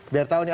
biar tahu nih